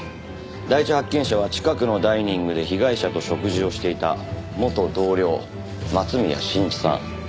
第一発見者は近くのダイニングで被害者と食事をしていた元同僚松宮真一さん。